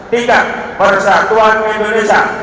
tiga persatuan indonesia